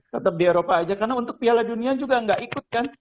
tetap di eropa aja karena untuk piala dunia juga nggak ikut kan